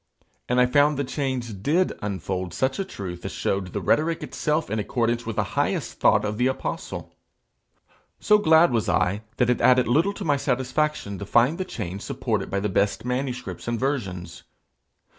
And I found the change did unfold such a truth as showed the rhetoric itself in accordance with the highest thought of the apostle. So glad was I, that it added little to my satisfaction to find the change supported by the best manuscripts and versions.